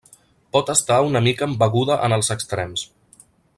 Pot estar una mica embeguda en els extrems.